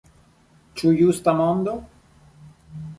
Ĉu justa mondo?